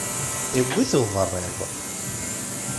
Iwwi-t uberriḍ.